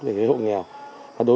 về hộ nghèo